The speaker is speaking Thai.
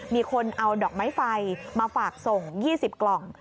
มีคนเอาดอกไม้ไฟมาฝากส่ง๒๐กล่อง